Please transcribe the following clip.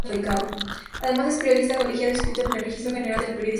Además es periodista colegiado inscrito en el registro General de Periodistas de Chile.